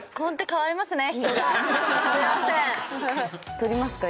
撮りますか？